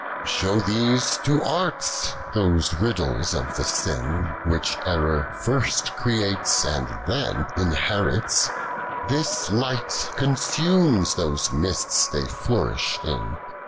107. 8hew these to Arts ; those riddlrs of the sin "Which error first creates, and tlien inlierits ; This light consumes thost' mists they flourish in.